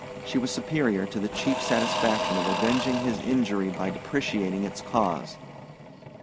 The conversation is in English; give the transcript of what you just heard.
She was superior to the cheap satisfaction of avenging his injury by depreciating its cause.